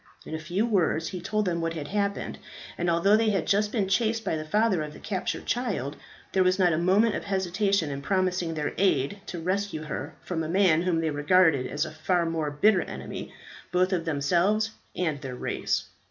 In a few words he told them what had happened, and although they had just been chased by the father of the captured child, there was not a moment of hesitation in promising their aid to rescue her from a man whom they regarded as a far more bitter enemy, both of themselves and their race.